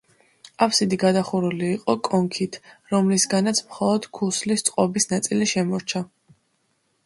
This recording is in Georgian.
აბსიდი გადახურული იყო კონქით, რომლისგანაც მხოლოდ ქუსლის წყობის ნაწილი შემორჩა.